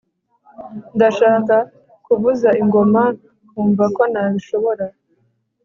Ndashaka kuvuza ingoma nkumva ko nabishobora